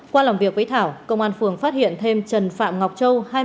qua làm việc với thảo công an phường phát hiện thêm trần phạm ngọc châu